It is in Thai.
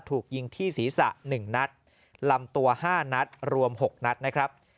ถูกยิงที่ศีรษะ๑นัดลำตัว๕นัดรวม๖นัดนะครับ